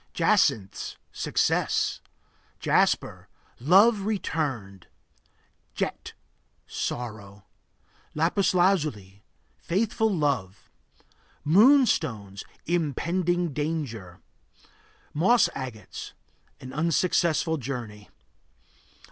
Jacinths Success. Jasper Love returned. Jet Sorrow. Lapis lazuli Faithful love. Moonstones Impending danger. Moss agates An unsuccessful journey.